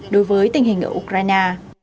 đối với tình hình ở ukraine